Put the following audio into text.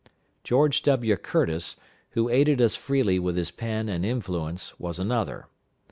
George W. Curtis, who aided us freely with his pen and influence, was another.